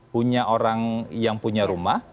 punya orang yang punya rumah